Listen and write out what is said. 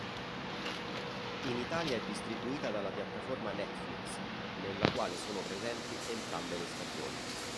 In Italia è distribuita dalla piattaforma Netflix nella quale sono presenti entrambe le stagioni.